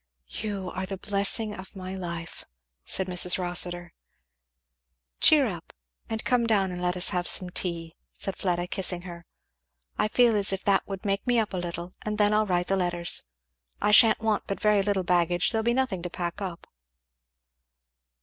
"You are the blessing of my life," said Mrs. Rossitur. "Cheer up, and come down and let us have some tea," said Fleda, kissing her; "I feel as if that would make me up a little; and then I'll write the letters. I sha'n't want but very little baggage; there'll be nothing to pack up."